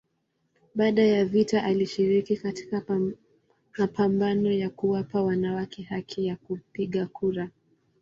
Baada ya vita alishiriki katika mapambano ya kuwapa wanawake haki ya kupiga kura.